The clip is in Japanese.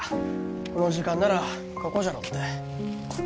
この時間ならここじゃろって。